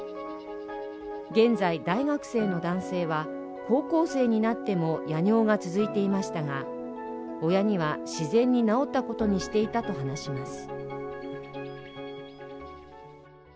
現在、大学生の男性は高校生になっても夜尿が続いていましたが、親には自然に治ったことにしていたと話します。